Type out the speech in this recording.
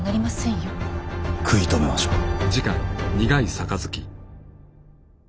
食い止めましょう。